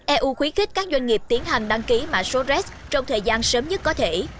eu khuyến khích các doanh nghiệp tiến hành đăng ký mã số rex trong thời gian sớm nhất có thể